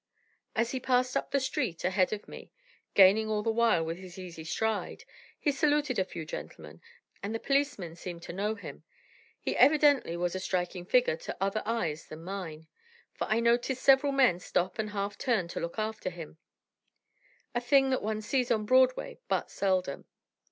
As he passed up the street ahead of me, gaining all the while with his easy stride, he saluted a few gentlemen, and the policemen seemed to know him. He evidently was a striking figure to other eyes than mine, for I noticed several men stop and half turn to look after him a thing that one sees on Broadway but seldom.